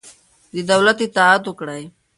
د دولت اطاعت وکړئ.